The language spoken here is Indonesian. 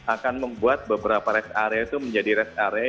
akan membuat beberapa rest area itu menjadi rest area